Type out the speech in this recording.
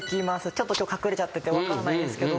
ちょっと今日隠れちゃってて分からないですけど。